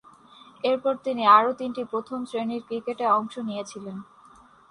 এরপর তিনি আরও তিনটি প্রথম-শ্রেণীর ক্রিকেটে অংশ নিয়েছিলেন।